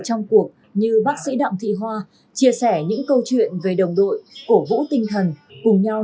trong cuộc như bác sĩ đặng thị hoa chia sẻ những câu chuyện về đồng đội cổ vũ tinh thần cùng nhau